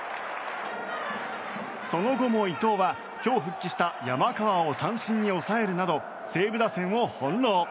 その後も伊藤は今日復帰した山川を三振に抑えるなど西武打線を翻弄。